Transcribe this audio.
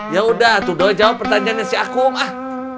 yaudah tuduh jawab pertanyaannya si akum ah